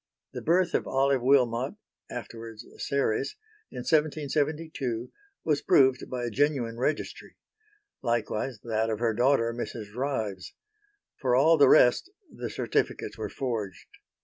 The birth of Olive Wilmot (afterwards Serres) in 1772 was proved by a genuine registry. Likewise that of her daughter Mrs. Ryves. For all the rest the certificates were forged.